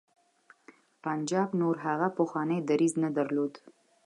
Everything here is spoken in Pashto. پنجاب نور هغه پخوانی دریځ نه درلود.